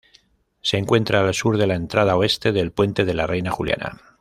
Se encuentra al sur de la entrada oeste del Puente de la Reina Juliana.